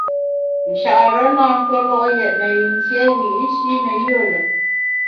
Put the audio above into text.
Nchare na ntue lo’ yètne yin dié wiyi’shi ne yùe lùm.